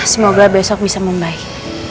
semoga besok bisa membaik